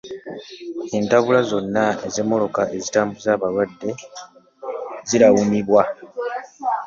Entabula zonna ez'emmotoka ezitambuza abalwadde zirawunibwa.